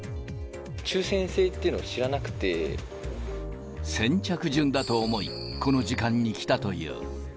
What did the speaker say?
抽せん制っていうのを知らな先着順だと思い、この時間に来たという。